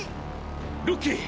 ロッキー！